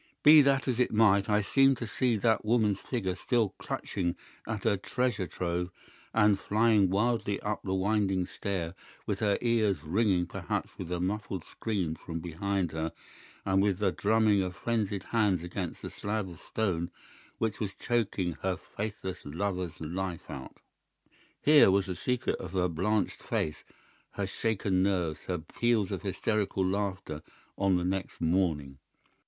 Be that as it might, I seemed to see that woman's figure still clutching at her treasure trove and flying wildly up the winding stair, with her ears ringing perhaps with the muffled screams from behind her and with the drumming of frenzied hands against the slab of stone which was choking her faithless lover's life out. "Here was the secret of her blanched face, her shaken nerves, her peals of hysterical laughter on the next morning.